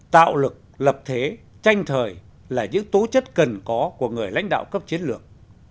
tạo lực lập thế tranh thời là những tố chất cần có của người lãnh đạo cấp chiến lược